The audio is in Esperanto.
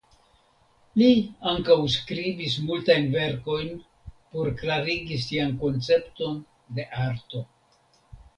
Li ankaŭ skribis multajn verkojn por klarigi sian koncepton de arto.